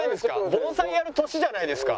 盆栽やる年じゃないですか。